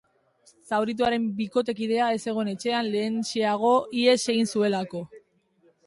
Zaurituaren bikotekidea ez zegoen etxean, lehenxeago ihes egin zuelako.